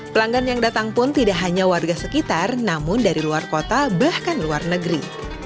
pelanggan yang datang pun tidak hanya warga sekitar namun dari luar kota bahkan luar negeri